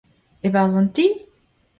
E-barzh an ti ?